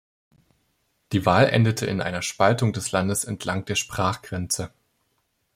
Die Wahl endete in einer Spaltung des Landes entlang der Sprachgrenze.